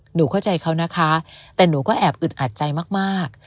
หนูเข้าใจเขานะคะแต่หนูก็แอบอึดอัดใจมาก